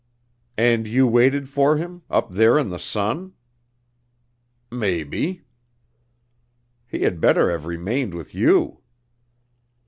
"And you waited for him up there in the sun?" "Maybe." "He had better have remained with you."